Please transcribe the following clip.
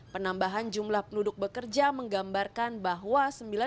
penambahan jumlah penduduk bekerja menggambarkan bahwa